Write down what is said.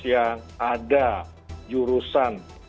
yang ada jurusan